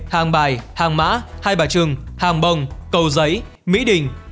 hàng bài hàng mã hai bà trừng hàng bồng cầu giấy mỹ đình